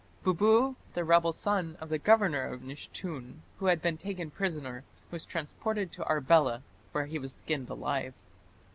Bubu, the rebel son of the governor of Nishtun, who had been taken prisoner, was transported to Arbela, where he was skinned alive.